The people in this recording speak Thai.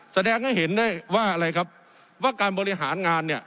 แสดงให้เห็นได้ว่าอะไรครับว่าการบริหารงานเนี่ย